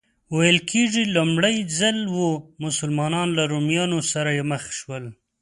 ویل کېږي لومړی ځل و مسلمانان له رومیانو سره مخ شول.